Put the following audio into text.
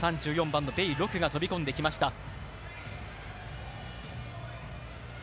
３４番の米勒が飛び込んできました。